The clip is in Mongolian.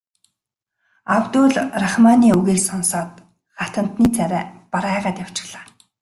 Абдул Рахманы үгийг сонсоод хатантны царай барайгаад явчихлаа.